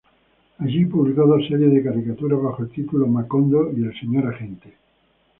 Allí publicó dos series de caricaturas, bajo el título Macondo y El Señor Agente.